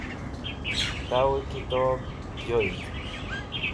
Towey kitob Joyd